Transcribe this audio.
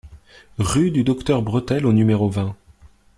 Rue du Docteur Bretelle au numéro vingt